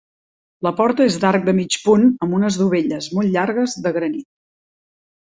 La porta és d'arc de mig punt amb unes dovelles molt llargues de granit.